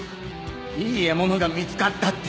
「いい獲物が見つかった」って。